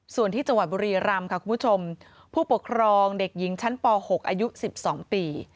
ส่วนที่จังหวัดบุรีรำค่ะคุณผู้ชมผู้ปกครองเด็กหญิงชั้นป๖อายุ๑๒ปี